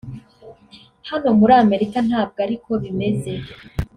hano muri Amerika ntabwo ari ko bimeze